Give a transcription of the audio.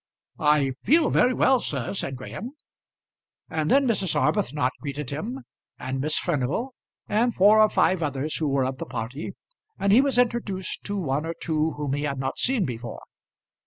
"I feel very well, sir," said Graham. And then Mrs. Arbuthnot greeted him, and Miss Furnival, and four or five others who were of the party, and he was introduced to one or two whom he had not seen before.